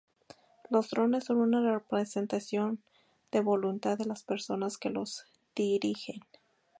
Los drones son una representación de la voluntad de las personas que los dirigen.